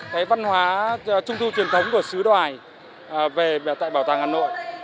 cái văn hóa trung thu truyền thống của sứ đoài về tại bảo tàng hà nội